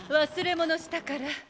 忘れ物したから。